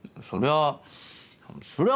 そりゃ